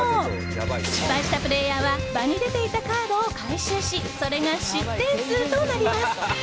失敗したプレーヤーは場に出ていたカードを回収しそれが失点数となります。